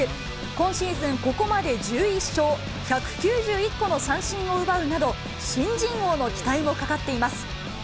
今シーズン、ここまで１１勝、１９１個の三振を奪うなど、新人王の期待もかかっています。